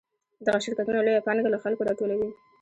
دغه شرکتونه لویه پانګه له خلکو راټولوي